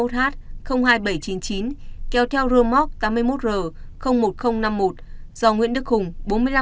tám mươi một h hai nghìn bảy trăm chín mươi chín kéo theo rưu móc tám mươi một r một nghìn năm mươi một do nguyễn đức hùng bốn mươi năm tuổi